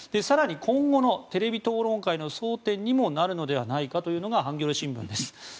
更に今後のテレビ討論会の争点にもなるのではないかというのがハンギョレ新聞です。